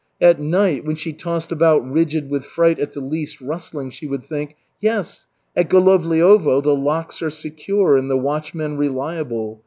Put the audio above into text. At night when she tossed about rigid with fright at the least rustling, she would think: "Yes, at Golovliovo the locks are secure and the watchmen reliable.